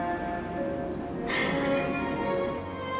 tidak ada yang bisa diinginkan